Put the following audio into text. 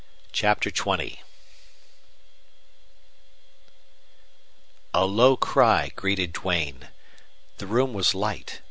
CHAPTER XX A low cry greeted Duane. The room was light.